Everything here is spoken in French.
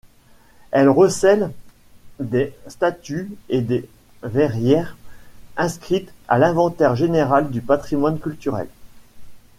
Elle recèle des statues et des verrières inscrites à l'inventaire général du patrimoine culturel.